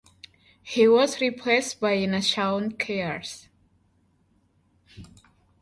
He was replaced by NaShawn Kearse.